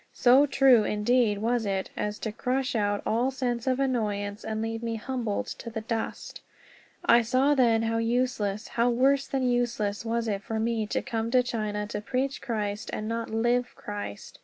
So true, indeed, was it, as to crush out all sense of annoyance and leave me humbled to the dust. I saw then how useless, how worse than useless, was it for me to come to China to preach Christ and not live Christ.